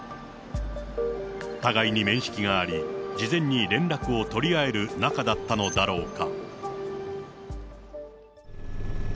互いに面識があり、事前に連絡を取り合える仲だったのだろうか。